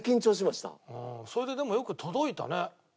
それででもよく届いたね。